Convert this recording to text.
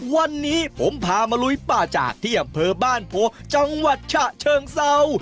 วันนี้ผมพามาลุยป่าจากที่อำเภอบ้านโพจังหวัดฉะเชิงเศร้า